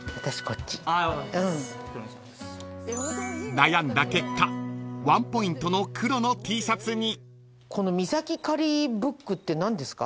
［悩んだ結果ワンポイントの黒のＴシャツに］って何ですか？